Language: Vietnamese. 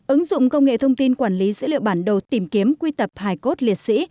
ứng dụng công nghệ thông tin quản lý dữ liệu bản đồ tìm kiếm quy tập hài cốt liệt sĩ